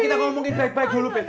kita ngomongin baik baik dulu